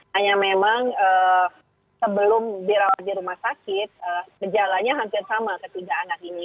hanya memang sebelum dirawat di rumah sakit gejalanya hampir sama ketiga anak ini